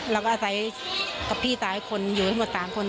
เราก็อาศัยกับพี่ตายคนอยู่ทั้งหมด๓คน